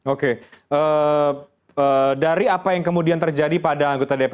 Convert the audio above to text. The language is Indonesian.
oke dari apa yang kemudian terjadi pada anggota dpr